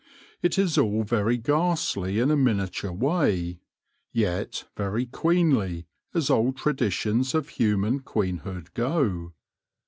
It is all very ghastly in a miniature way, yet very queenly, as old traditions of human queenhood go.